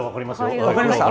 分かりました？